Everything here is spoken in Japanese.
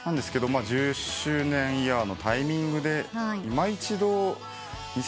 １０周年イヤーのタイミングでいま一度２０２２年に。